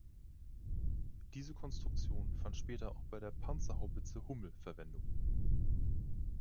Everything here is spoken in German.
Diese Konstruktion fand später auch bei der Panzerhaubitze Hummel Verwendung.